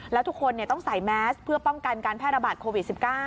แล้วทุกคนต้องใส่แมสเพื่อป้องกันการแพร่ระบาดโควิด๑๙